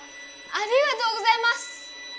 ありがとうございます！